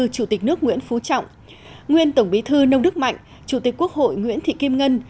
chủ tịch nước nguyễn phú trọng nguyên tổng bí thư nông đức mạnh chủ tịch quốc hội nguyễn thị kim ngân